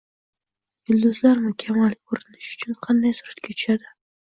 Yulduzlar mukammal ko‘rinish uchun qanday suratga tushadi?